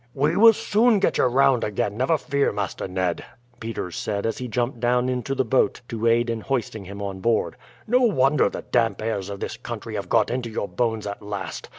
"We will soon get you round again, never fear, Master Ned," Peters said as he jumped down into the boat to aid in hoisting him on board. "No wonder the damp airs of this country have got into your bones at last.